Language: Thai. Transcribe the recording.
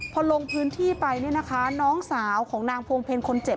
พอลงพื้นที่ไปเนี่ยนะคะน้องสาวของนางพวงเพลคนเจ็บ